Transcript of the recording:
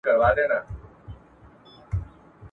د باوړۍ اوبه به وچي وي، بیا څه کړې ..